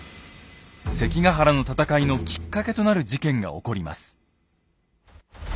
関ヶ原の戦いのきっかけとなる事件が起こります。